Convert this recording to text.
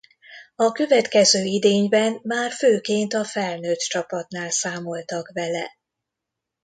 A következő idényben már főként a felnőtt csapatnál számoltak vele.